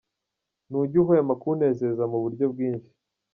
Ntujya uhwema kunezeza mu buryo bwinshi.